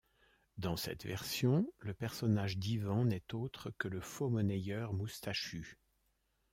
Dans cette version, le personnage d'Ivan n'est autre que le faux-monnayeur moustachu.